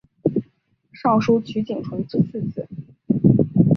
尚书瞿景淳之次子。